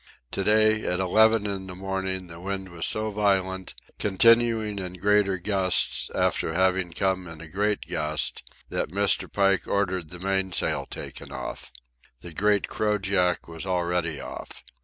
To day, at eleven in the morning, the wind was so violent, continuing in greater gusts after having come in a great gust, that Mr. Pike ordered the mainsail taken off. The great crojack was already off.